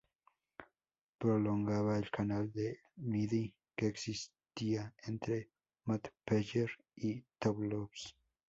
Prolongaba el canal del Midi que existía entre Montpellier y Toulouse.